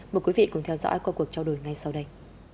mời quý vị cùng theo dõi qua cuộc trao đổi ngay sau đây